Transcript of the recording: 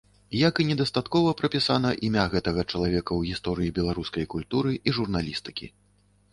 Як і недастаткова прапісана імя гэтага чалавека ў гісторыі беларускай культуры і журналістыкі.